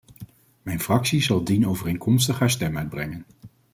Mijn fractie zal dienovereenkomstig haar stem uitbrengen.